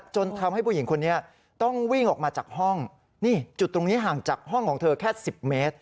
จนทำให้ผู้หญิงคนนี้ต้องวิ่งออกมาจากห้องนี่จุดตรงนี้ห่างจากห้องของเธอแค่๑๐เมตร